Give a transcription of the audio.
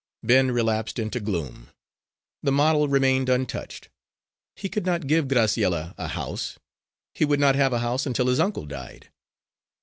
Ben relapsed into gloom. The model remained untouched. He could not give Graciella a house; he would not have a house until his uncle died.